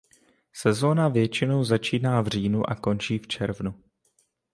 Sezóna většinou začíná v říjnu a končí v červnu.